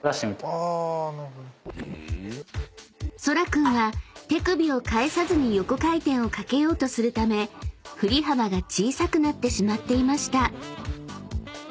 ［そら君は手首を返さずに横回転をかけようとするため振り幅が小さくなってしまっていました］